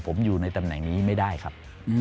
ผมอยู่ในตำแหน่งนี้ไม่ได้ครับ